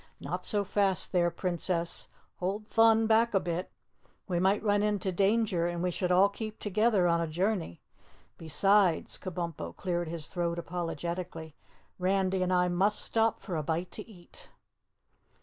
"Not so fast there, Princess; hold Thun back a bit. We might run into danger and we should all keep together on a journey. Besides," Kabumpo cleared his throat apologetically, "Randy and I must stop for a bite to eat."